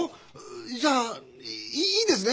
じゃあいいですね？